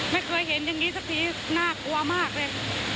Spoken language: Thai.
ไม่เคยเห็นอย่างนี้สักทีน่ากลัวมากเลย